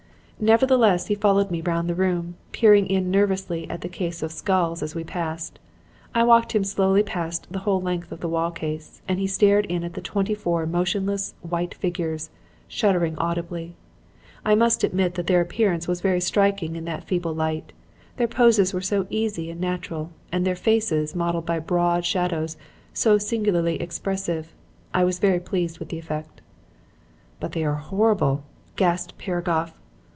"Nevertheless he followed me round the room, peering in nervously at the case of skulls as we passed. I walked him slowly past the whole length of the wall case and he stared in at the twenty four motionless, white figures, shuddering audibly. I must admit that their appearance was very striking in that feeble light; their poses were so easy and natural and their faces, modeled by broad shadows, so singularly expressive. I was very pleased with the effect. "'But they are horrible!' gasped Piragoff.